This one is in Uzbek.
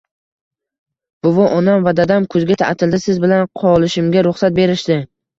- Buvi, onam va dadam kuzgi ta'tilda siz bilan qolishimga ruxsat berishdi.